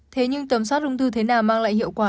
thế nhưng tầm soát ung thư thế nào mang lại hiệu quả